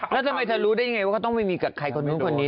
แล้วทำไมเธอรู้ได้ยังไงว่าเขาต้องไม่มีกับใครคนนู้นคนนี้